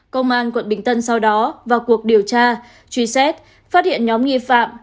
công an quận bình tân sau đó vào cuộc điều tra truy xét phát hiện nhóm nghi phạm